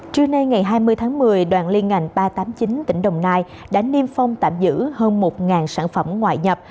trưa nay ngày hai mươi tháng một mươi đoàn liên ngành ba trăm tám mươi chín tỉnh đồng nai đã niêm phong tạm giữ hơn một sản phẩm ngoại nhập